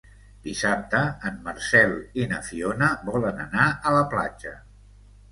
Dissabte en Marcel i na Fiona volen anar a la platja.